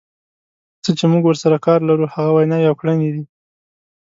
څه چې موږ ورسره کار لرو هغه ویناوې او کړنې دي.